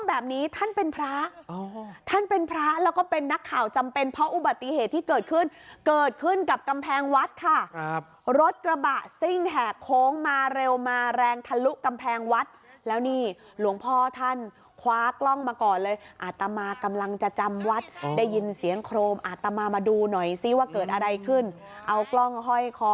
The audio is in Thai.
แบบนี้ท่านเป็นพระท่านเป็นพระแล้วก็เป็นนักข่าวจำเป็นเพราะอุบัติเหตุที่เกิดขึ้นเกิดขึ้นกับกำแพงวัดค่ะครับรถกระบะซิ่งแหกโค้งมาเร็วมาแรงทะลุกำแพงวัดแล้วนี่หลวงพ่อท่านคว้ากล้องมาก่อนเลยอาตมากำลังจะจำวัดได้ยินเสียงโครมอาตมามาดูหน่อยซิว่าเกิดอะไรขึ้นเอากล้องห้อยคอ